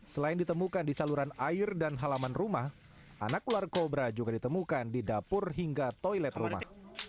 selain ditemukan di saluran air dan halaman rumah anak ular kobra juga ditemukan di dapur hingga toilet rumah